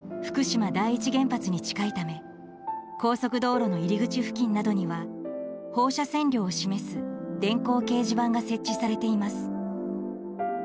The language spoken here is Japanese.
東京電力福島第一原発に近いため高速道路の入り口付近などには放射線量を示す電光掲示板が設置されています。